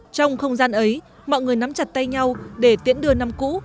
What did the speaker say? trong không gian ấy mọi người nắm chặt tay nhau để tiễn đưa năm cũ